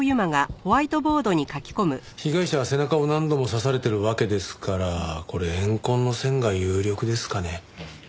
被害者は背中を何度も刺されてるわけですからこれ怨恨の線が有力ですかね。